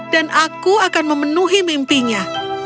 dan aku akan memenuhi mimpinya